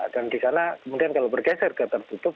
dan di sana kemudian kalau bergeser ke tertutup